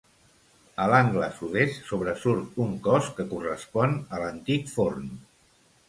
A l'angle Sud-est sobresurt un cos que correspon a l'antic forn.